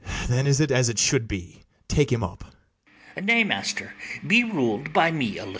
Then is it as it should be. Take him up. ITHAMORE. Nay, master, be ruled by me a little.